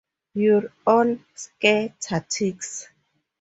You're on "Scare Tactics"!